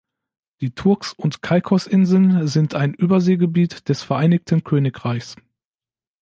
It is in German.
Die Turks- und Caicosinseln sind ein Überseegebiet des Vereinigten Königreichs.